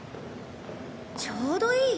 ちょうどいい。